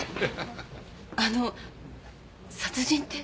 あの殺人って？